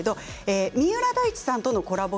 三浦大知さんとのコラボ